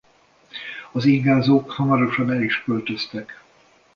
Az ingázók hamarosan el is költöztek.